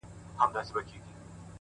• سترګي له نړۍ څخه پټي کړې ,